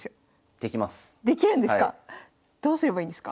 できるんですか！